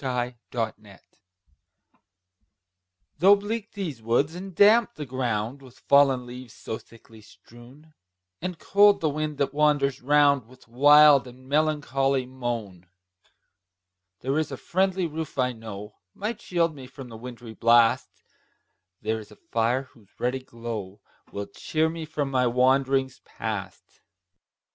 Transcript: THE CONSOLATION. Though bleak these woods, and damp the ground With fallen leaves so thickly strown, And cold the wind that wanders round With wild and melancholy moan; There IS a friendly roof, I know, Might shield me from the wintry blast; There is a fire, whose ruddy glow Will cheer me for my wanderings past.